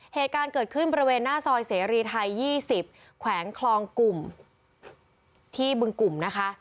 เหตุการณ์เกิดขึ้นบริเวณหน้าซอยเสรีไทย๒๐แขวงคลองกลุ่มที่บึงกลุ่มนะคะ